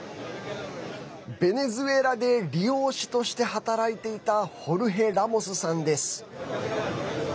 ベネズエラで理容師として働いていたホルヘ・ラモスさんです。